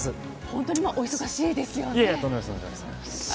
本当に今、お忙しいですよね。